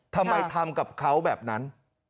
ทำไมทำกับเขาแบบนั้น